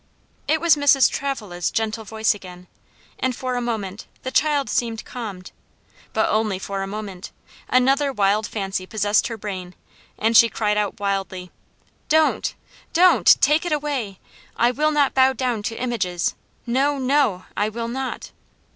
It was Mrs. Travilla's gentle voice again, and for a moment the child seemed calmed; but only for a moment; another wild fancy possessed her brain, and she cried out wildly, "Don't! don't! take it away! I will not bow down to images! No, no, I will not."